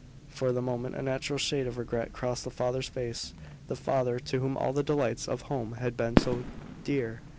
For the moment a natural shade of regret crossed the father's face, the father to whom all the delights of home had been so dear.